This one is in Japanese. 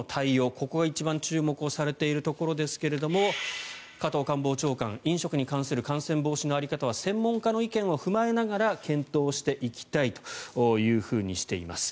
ここが一番注目されていますが加藤官房長官飲食に関する感染防止の在り方は専門家の意見を踏まえながら検討していきたいというふうにしています。